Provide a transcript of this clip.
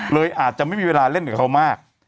เลยอาจจะไม่มีเวลาเล่นกับเขามาก